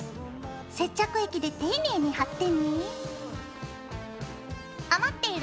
接着液で丁寧に貼ってね。